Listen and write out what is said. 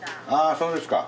そうですか。